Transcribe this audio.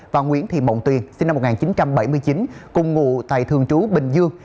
và nguyễn thị mộng tuy sinh năm một nghìn chín trăm bảy mươi chín cùng ngụ tại thường trú bình dương